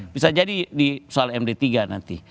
bisa jadi di soal md tiga nanti